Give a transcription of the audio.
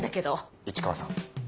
市川さん